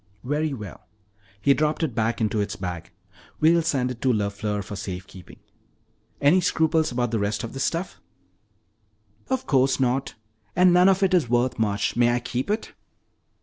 "Very well." He dropped it back into its bag. "We'll send it to LeFleur for safe keeping. Any scruples about the rest of this stuff?" "Of course not! And none of it is worth much. May I keep it?"